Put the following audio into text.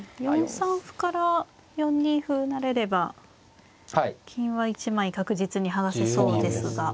４三歩から４二歩成れれば金は１枚確実に剥がせそうですが。